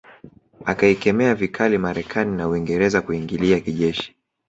Akaikemea vikali Marekani na na Uingereza kuiingilia kijeshi